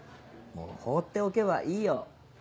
放っておけばいいよ。